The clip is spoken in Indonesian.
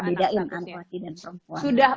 bedain anak laki dan perempuan sudah